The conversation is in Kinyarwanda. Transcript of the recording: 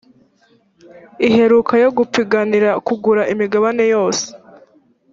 iheruka yo gupiganira kugura imigabane yose